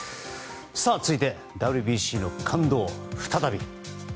続いて、ＷＢＣの感動再び。